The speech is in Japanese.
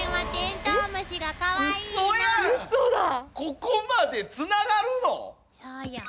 ここまでつながるの⁉そうよ。